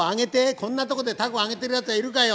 こんな所で凧揚げてるやついるかよ？